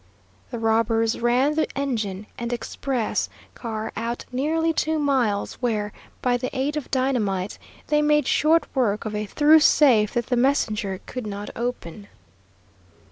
The robbers ran the engine and express car out nearly two miles, where, by the aid of dynamite, they made short work of a through safe that the messenger could not open.